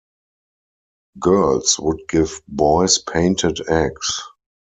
Girls would give boys painted eggs.